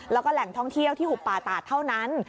แล้วก็แหล่งท่องเที่ยวที่หุบป่าตาดเท่านั้น